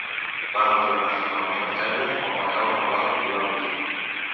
Va retornar finalment al Caire on va caure malalt i va morir.